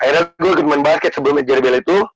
akhirnya gue main basket sebelum jrbl itu